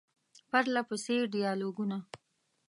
پرله پسې ډیالوګونه ،